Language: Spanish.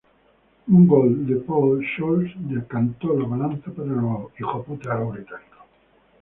Un gol de Paul Scholes decantó la balanza para los británicos.